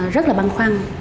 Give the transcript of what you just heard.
rất là băng khoăn